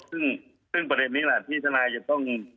ซึ่งประเด็นนี้แหละที่ทนายจะต้อง